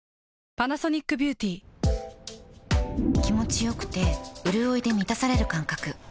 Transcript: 気持ちよくてうるおいで満たされる感覚